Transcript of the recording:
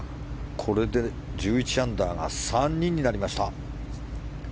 これで１１アンダーが３人になりました。